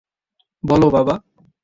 বল, বাবা!